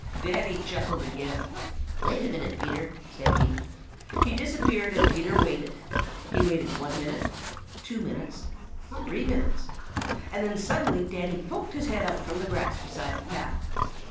Danny chuckled again. "Wait a minute, Peter," said he. He disappeared, and Peter waited. He waited one minute, two minutes, three minutes, and then suddenly Danny poked his head out from the grass beside the path.